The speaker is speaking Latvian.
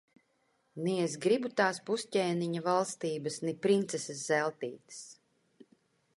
Ni es gribu tās pusķēniņa valstības, ni princeses Zeltītes.